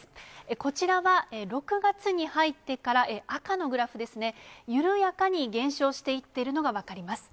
こちらは６月に入ってから赤のグラフですね、緩やかに減少していっているのが分かります。